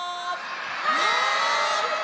はい！